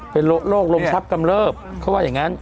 เป็นโรคโรงทัพกำเลิฟเค้าว่าอย่างงั้น